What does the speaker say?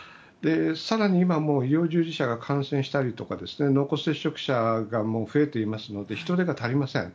更に医療従事者が感染したりとか濃厚接触者が増えていますので人手が足りません。